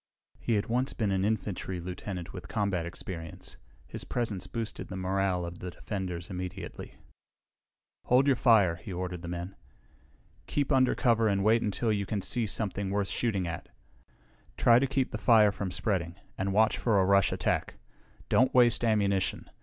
He had once been an infantry lieutenant with combat experience. His presence boosted the morale of the defenders immediately. "Hold your fire," he ordered the men. "Keep under cover and wait until you can see something worth shooting at. Try to keep the fire from spreading, and watch for a rush attack. Don't waste ammunition!